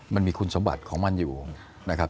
มันมีคุณสมบัติของมันอยู่นะครับ